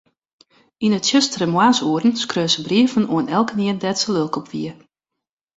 Yn 'e tsjustere moarnsoeren skreau se brieven oan elkenien dêr't se lilk op wie.